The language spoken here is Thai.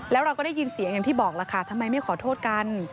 แล้วเราก็ได้ยินเสียงอย่างที่บอกล่ะค่ะทำไมไม่ขอโทษกัน